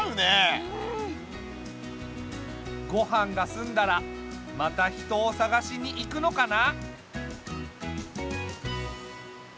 ごはんがすんだらまた人を探しに行くのかな？